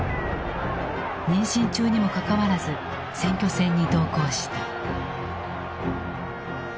妊娠中にもかかわらず選挙戦に同行した。